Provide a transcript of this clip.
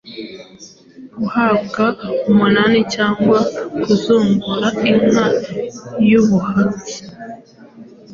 Guhabwa umunani cyangwa kuzungura inka y'ubuhake